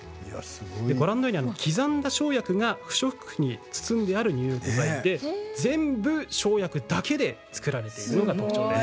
ご覧のように刻んだ生薬が不織布に包んである入浴剤で全部、生薬だけで作られています。